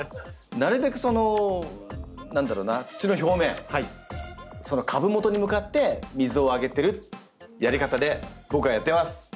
なるべくその何だろうな土の表面株元に向かって水をあげてるやり方で僕はやってます。